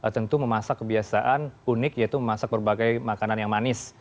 tentu memasak kebiasaan unik yaitu memasak berbagai makanan yang manis